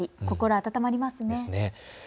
心温まりますね。